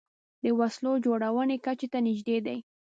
د وسلو جوړونې کچې ته نژدې دي